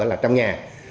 ở trong nhà